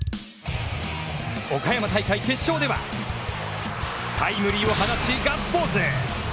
岡山大会決勝ではタイムリーを放ちガッツポーズ。